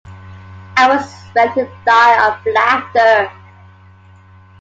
I was ready to die of laughter.